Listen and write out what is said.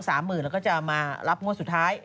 ๓๐๐๐๐บาทแล้วก็จะมารับงวดสุดท้าย